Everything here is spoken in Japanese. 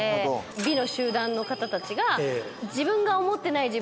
美の集団の方たちが自分が。